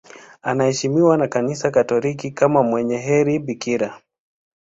Anaheshimiwa na Kanisa Katoliki kama mwenye heri bikira.